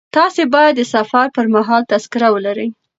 تاسي باید د سفر پر مهال تذکره ولرئ.